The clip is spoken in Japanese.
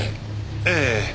ええ。